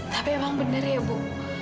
tapi emang bener ya bu